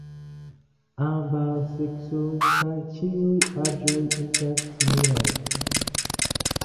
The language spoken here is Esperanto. Ambaŭ seksoj kaj ĉiuj aĝoj estas similaj.